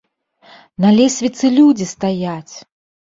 На лесвіцы людзі стаяць!